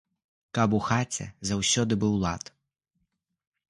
Каб у хаце заўсёды быў лад!